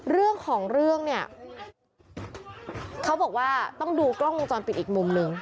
เรื่องของเรื่องเนี่ยเขาบอกว่าต้องดูกล้องวงจรปิดอีกมุมหนึ่ง